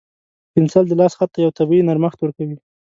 پنسل د لاس خط ته یو طبیعي نرمښت ورکوي.